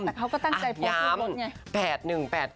แต่เขาก็ตั้งใจโพสต์ที่หมดไง